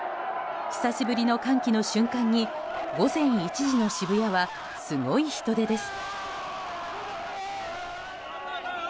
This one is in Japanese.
久しぶりの歓喜の瞬間に午前１時の渋谷はすごい人出です。